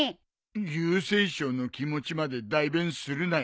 郵政省の気持ちまで代弁するなよ。